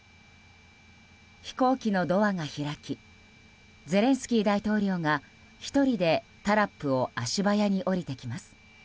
飛行機のドアが開きゼレンスキー大統領が１人でタラップを足早に下りてきます。